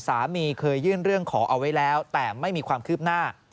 เคยยื่นเรื่องขอเอาไว้แล้วแต่ไม่มีความคืบหน้า